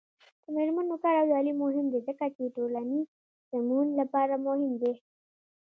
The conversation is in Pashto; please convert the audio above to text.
د میرمنو کار او تعلیم مهم دی ځکه چې ټولنې سمون لپاره مهم دی.